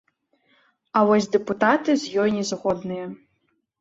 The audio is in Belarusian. А вось дэпутаты з ёй не згодныя.